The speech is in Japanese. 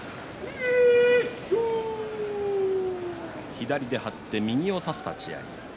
左で張って右を差す立ち合い